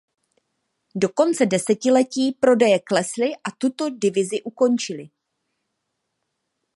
Do konce desetiletí prodeje klesly a tuto divizi ukončili.